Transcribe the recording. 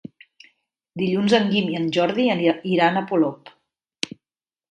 Dilluns en Guim i en Jordi iran a Polop.